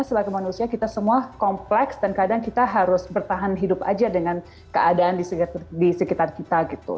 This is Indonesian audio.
selaku manusia kita semua kompleks dan kadang kita harus bertahan hidup aja dengan keadaan di sekitar kita gitu